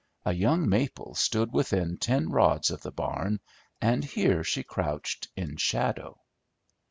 A young maple stood within ten rods of the barn, and here she crouched in shadow.